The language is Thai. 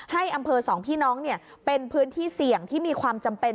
ให้อำเภอสองพี่น้องเป็นพื้นที่เสี่ยงที่มีความจำเป็น